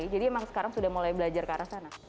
jadi emang sekarang sudah mulai belajar ke arah sana